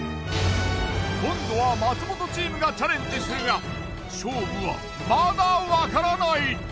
今度は松本チームがチャレンジするが勝負はまだわからない。